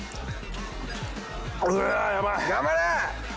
頑張れ！